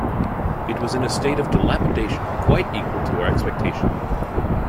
It was in a state of dilapidation quite equal to our expectation.